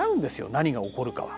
何が起こるかは。